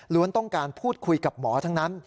ต้องการพูดคุยกับหมอทั้งนั้น